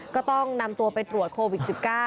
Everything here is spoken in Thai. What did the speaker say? ก็ต้องนำตัวไปตรวจโควิด๑๙